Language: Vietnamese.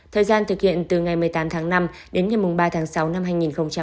thời gian thực hiện từ ngày một mươi tám tháng năm đến ngày ba tháng sáu năm hai nghìn hai mươi